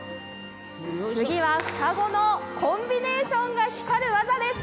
次は双子のコンビネーションが光る技です。